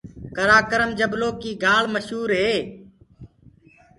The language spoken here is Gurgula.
ڪرآڪرم جبلو ڪيٚ گھآݪ مشوُر هي۔